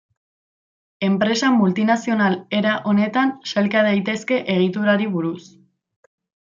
Enpresa multinazional era honetan sailka daitezke egiturari buruz.